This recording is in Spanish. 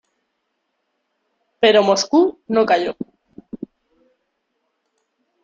Pero Moscú no cayó.